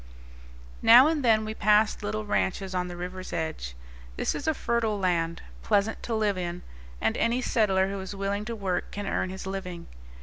Now and then we passed little ranches on the river's edge. This is a fertile land, pleasant to live in, and any settler who is willing to work can earn his living.